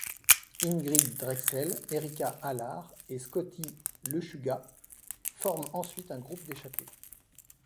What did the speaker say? Ingrid Drexel, Erica Allar et Scotti Lechuga forment ensuite un groupe d'échappée.